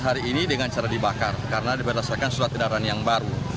hari ini dengan cara dibakar karena berdasarkan surat edaran yang baru